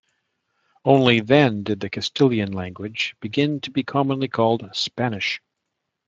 Only then did the Castilian language begin to be commonly called Spanish.